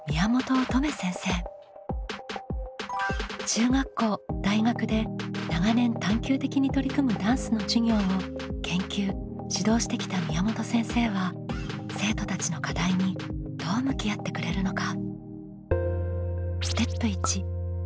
中学校大学で長年探究的に取り組むダンスの授業を研究指導してきた宮本先生は生徒たちの課題にどう向き合ってくれるのか。